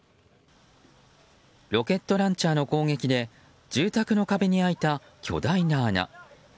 ロケットランチャーの攻撃で住宅の壁に開いた巨大な穴。